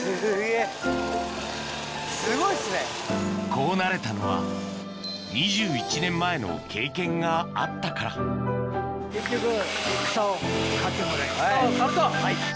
こうなれたのは２１年前の経験があったから草を刈ると。